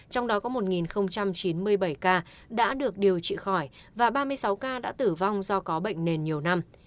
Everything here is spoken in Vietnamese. trong đó có một chín mươi bảy ca đã được điều trị khỏi và ba mươi sáu ca đã tử vong do có bệnh nền nhiều năm